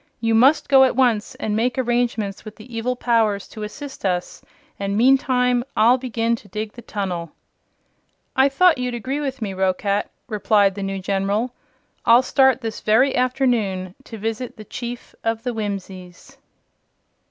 "You must go at once and make arrangements with the evil powers to assist us, and meantime I'll begin to dig the tunnel." "I thought you'd agree with me, Roquat," replied the new General. "I'll start this very afternoon to visit the Chief of the Whimsies."